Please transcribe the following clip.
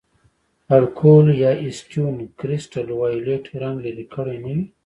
الکول یا اسیټون کرسټل وایولېټ رنګ لرې کړی نه وي.